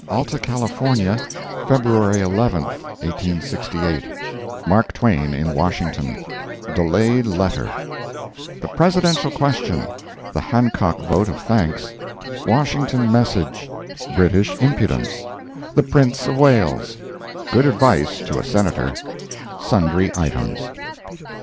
Alta California, February 11, 1868 MARK TWAIN IN WASHINGTON [DELAYED LETTER] The Presidential Question—The Hancock Vote of Thanks—Washington Message—British Impudence—The Prince of Wales—Good Advice to a Senator—Sundry Items.